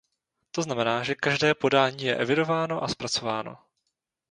To znamená, že každé podání je evidováno a zpracováno.